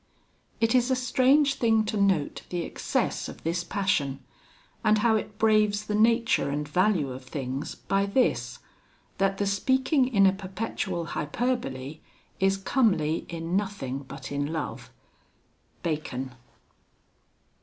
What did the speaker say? VI It is a strange thing to note the excess of this passion; and how it braves the nature and value of things, by this that the speaking in a perpetual hyperbole is comely in nothing but in love. BACON.